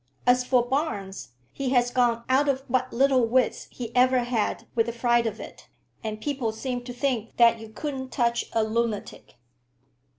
As for Barnes, he has gone out of what little wits he ever had with the fright of it, and people seem to think that you couldn't touch a lunatic."